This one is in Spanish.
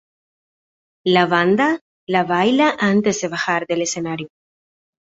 La banda la baila antes de bajar del escenario.